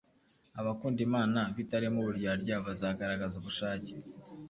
Abakunda Imana bitarimo uburyarya bazagaragaza ubushake